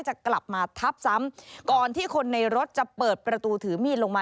จะกลับมาทับซ้ำก่อนที่คนในรถจะเปิดประตูถือมีดลงมา